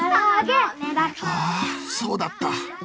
ああそうだった。